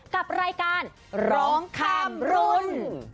กับรายการร้องข้ามรุ่น